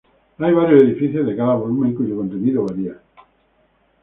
Hay varias ediciones de cada volumen cuyo contenido varia.